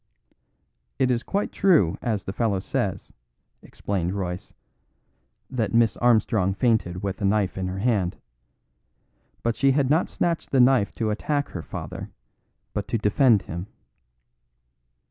"It is quite true, as this fellow says," explained Royce, "that Miss Armstrong fainted with a knife in her hand. But she had not snatched the knife to attack her father, but to defend him."